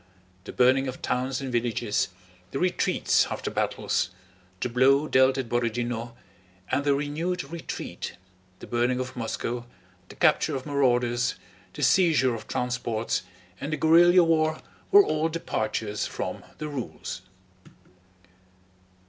The burning of towns and villages, the retreats after battles, the blow dealt at Borodinó and the renewed retreat, the burning of Moscow, the capture of marauders, the seizure of transports, and the guerrilla war were all departures from the rules.